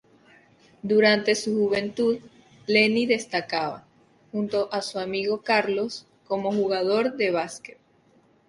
Durante su juventud, Lenny destacaba, junto a su amigo Carlos, como jugador de basket.